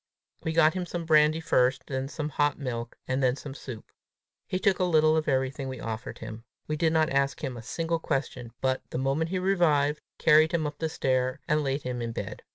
We got him some brandy first, then some hot milk, and then some soup. He took a little of everything we offered him. We did not ask him a single question, but, the moment he revived, carried him up the stair, and laid him in bed.